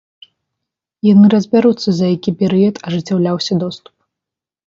Яны разбяруцца, за які перыяд ажыццяўляўся доступ.